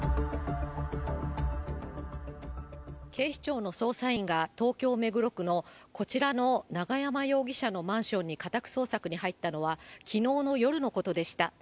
警視庁の捜査員が、東京・目黒区のこちらの永山容疑者のマンションに家宅捜索に入ったのは、きのうの夜のことでした。